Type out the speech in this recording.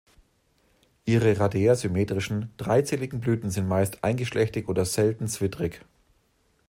Ihre radiärsymmetrischen, dreizähligen Blüten sind meist eingeschlechtig oder selten zwittrig.